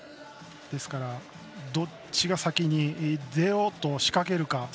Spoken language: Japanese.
ですから、どっちが先に出ようと仕掛けるか